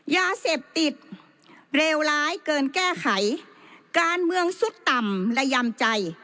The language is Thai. ยาเสพติดเลวร้ายเกินแก้ไขการเมืองสุดต่ำและยำใจ